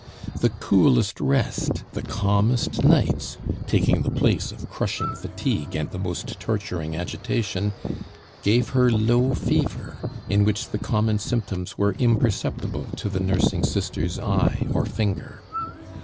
The coolest rest, the calmest nights, taking the place of crushing fatigue and the most torturing agitation, gave her low fever, in which the common symptoms were imperceptible to the nursing Sister's eye or finger.